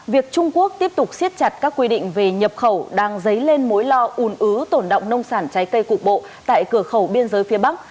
việc trung quốc tiếp tục siết chặt các quy định về nhập khẩu đang dấy lên mối lo un ứ tổn động nông sản trái cây cục bộ tại cửa khẩu biên giới phía bắc